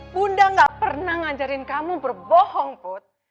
bunda gak pernah ngajarin kamu berbohong put